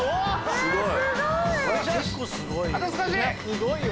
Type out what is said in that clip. すごい。